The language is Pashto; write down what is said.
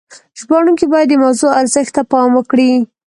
ژباړونکي باید د موضوع ارزښت ته پام وکړي.